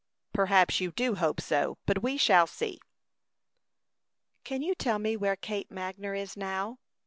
"Perhaps you do hope so; but we shall see." "Can you tell me where Kate Magner is now?"